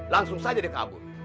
langsung saja dia kabur